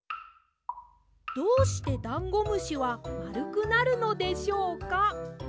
どうしてダンゴムシはまるくなるのでしょうか？